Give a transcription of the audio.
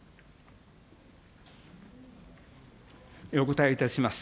お答えいたします。